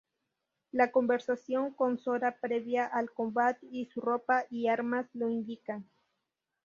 La conversación con Sora previa al combat y su ropa y armas lo indican.